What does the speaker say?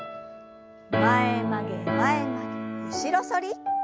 前曲げ前曲げ後ろ反り。